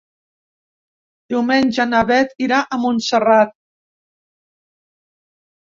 Diumenge na Beth irà a Montserrat.